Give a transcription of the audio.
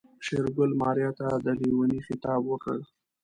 شېرګل ماريا ته د ليونۍ خطاب وکړ.